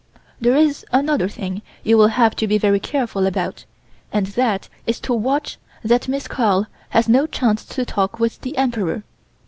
There is another thing you will have to be very careful about, and that is to watch that Miss Carl has no chance to talk with the Emperor.